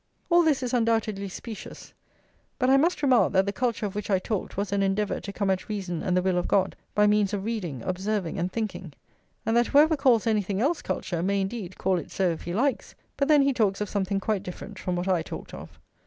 All this is undoubtedly specious; but I must remark that the culture of which I talked was an endeavour to come at reason and the will of God by means of reading, observing, and thinking; and that whoever calls anything else culture, may, indeed, call it so if he likes, but then he talks of something quite different from what I talked of.